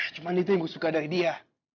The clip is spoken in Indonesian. cuma itu yang gue suka dari dia